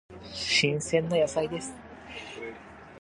新鮮な野菜です。